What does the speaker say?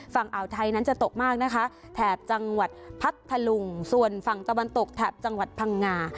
ฝั่งอ่าวไทยนั้นจะตกมากนะคะแถบจังหวัดพัทธลุงส่วนฝั่งตะวันตกแถบจังหวัดพังงา